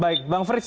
baik bang frits